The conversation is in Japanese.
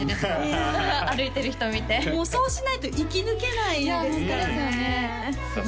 いや歩いてる人見てもうそうしないと生き抜けないですからねさあ